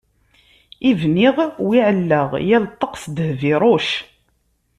I bniɣ wi ɛellaɣ, yal ṭṭaq s dheb iruc.